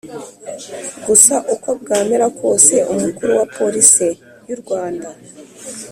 gusa uko bwamera kose umukuru wa police y’u rwanda